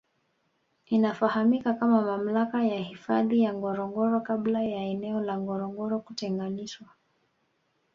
Inafahamika kama mamlaka ya hifadhi ya Ngorongoro kabla ya eneo la Ngorongoro kutenganishwa